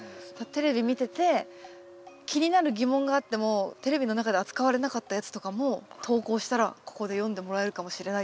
テレビ見てて気になる疑問があってもテレビの中で扱われなかったやつとかも投稿したらここで読んでもらえるかもしれないっていう。